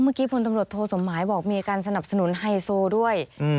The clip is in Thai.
เมื่อกี้พนตรวจโทรสมหายบอกมีการสนับสนุนไฮโซด้วย